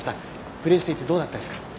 プレーしていてどうだったですか。